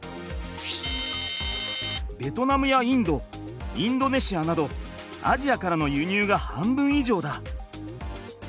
ベトナムやインドインドネシアなどアジアからの輸入が半分いじょうだ。